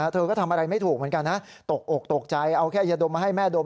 เธอก็ทำอะไรไม่ถูกเหมือนกันนะตกอกตกใจเอาแค่ยาดมมาให้แม่ดม